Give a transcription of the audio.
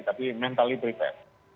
tapi mentali pribadi